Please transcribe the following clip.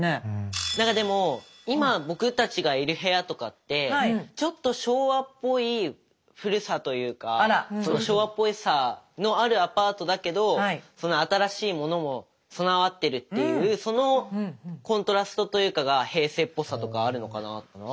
何かでも今僕たちがいる部屋とかってちょっと昭和っぽい古さというか昭和っぽさのあるアパートだけど新しいものも備わってるっていうそのコントラストというかが平成っぽさとかあるのかなと。